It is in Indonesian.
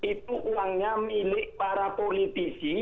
itu uangnya milik para politisi